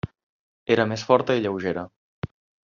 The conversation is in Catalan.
Era més forta i lleugera.